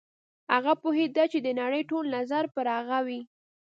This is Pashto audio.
هغه پوهېده چې د نړۍ ټول نظر به پر هغې وي.